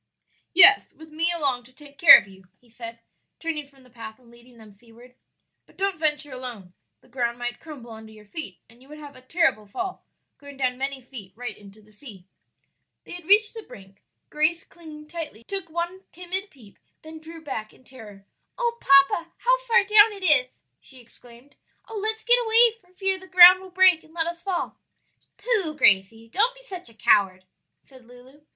"Yes, with me along to take care of you," he said, turning from the path and leading them seaward; "but don't venture alone, the ground might crumble under your feet and you would have a terrible fall, going down many feet right into the sea." They had reached the brink. Grace, clinging tightly to her father's hand, took one timid peep, then drew back in terror. "Oh, papa, how far down it is!" she exclaimed. "Oh, let's get away, for fear the ground will break and let us fall." "Pooh! Gracie, don't be such a coward," said Lulu.